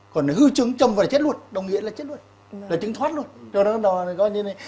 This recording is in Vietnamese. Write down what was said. còn hư chứng châm vào là chết luôn đồng nghĩa là chết luôn là chứng thoát luôn